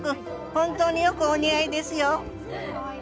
本当によくお似合いですよ！